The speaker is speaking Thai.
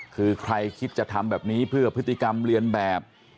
คือใครคิดจะทำแบบนี้เพื่อพฤติกรรมเรียนแบบ